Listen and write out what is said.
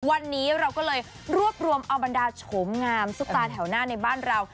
วันนี้เราก็เลยรวบรวมเอาบรรดาโฉมงามซุปตาแถวหน้าในบ้านเรา